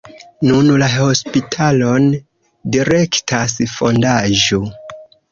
Nun la hospitalon direktas fondaĵo.